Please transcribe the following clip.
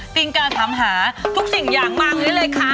ติ๊งกาถามหาทุกสิ่งอย่างมากนี่เลยค่ะ